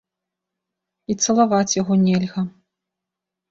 І цалаваць яго нельга.